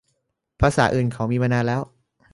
ภาษาอื่นเขามีนานแล้ว